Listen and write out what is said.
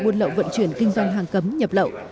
buôn lậu vận chuyển kinh doanh hàng cấm nhập lậu